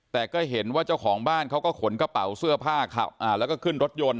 แต่ก็เห็นว่าเจ้าของบ้านเขาก็ขนกระเป๋าเสื้อผ้าแล้วก็ขึ้นรถยนต์